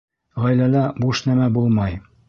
Ғаиләлә буш нәмә булмай.